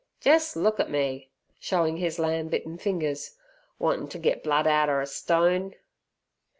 "Jes' look at me," showing his lamb bitten fingers. "Wantin' ter get blood outer a stone!"